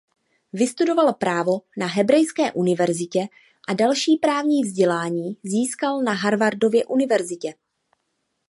Vystudoval právo na Hebrejské univerzitě a další právní vzdělání získal na Harvardově univerzitě.